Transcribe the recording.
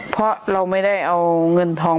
เพราะเราไม่ได้เอาเงินทอง